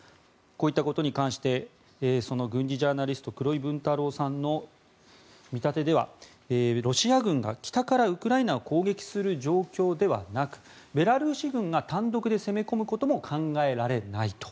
こういったことに関して軍事ジャーナリストの黒井文太郎さんの見立てではロシア軍が北からウクライナを攻撃する状況ではなくベラルーシ軍が単独で攻め込むことも考えられないと。